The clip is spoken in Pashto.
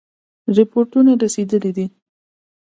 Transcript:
رپوټونه رسېدلي دي.